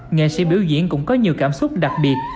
nghệ sĩ biểu diễn cũng có nhiều cảm xúc đặc biệt